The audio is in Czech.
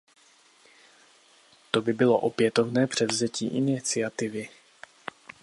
To by bylo opětovné převzetí iniciativy.